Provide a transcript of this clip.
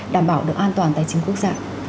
đảm bảo được an toàn tài chính quốc gia